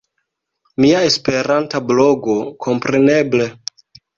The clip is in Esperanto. Mia esperanta blogo, kompreneble!